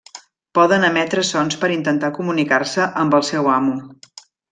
Poden emetre sons per intentar comunicar-se amb el seu amo.